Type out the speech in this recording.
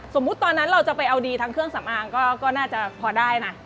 ตอนนั้นเราจะไปเอาดีทั้งเครื่องสำอางก็น่าจะพอได้นะ